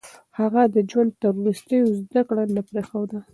هغه د ژوند تر وروستيو زده کړه نه پرېښوده.